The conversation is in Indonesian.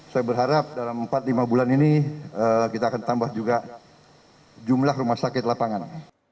saya berharap dalam empat lima bulan ini kita akan tambah juga jumlah rumah sakit lapangan